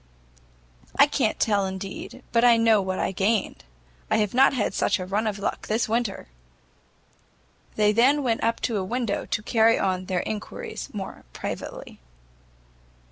"I can't tell indeed, but I know what I gained: I have not had such a run of luck this winter." They then went up to a window to carry on their enquiries more privately.